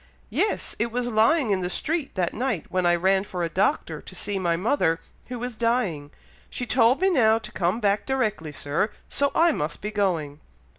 "Yes! it was lying in the street that night when I ran for a Doctor to see my mother, who is dying. She told me now to come back directly, Sir, so I must be going."